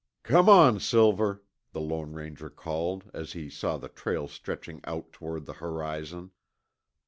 "Come on, Silver," the Lone Ranger called as he saw the trail stretching out toward the horizon.